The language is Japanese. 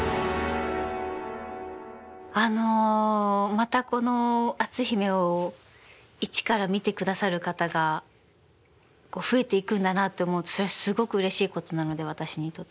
またこの「篤姫」を一から見てくださる方がこう増えていくんだなって思うとそれはすごくうれしいことなので私にとって。